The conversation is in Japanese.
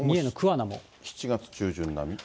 ７月中旬並み。